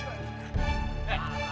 tidak tidak tidak